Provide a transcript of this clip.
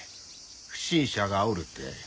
不審者がおるって。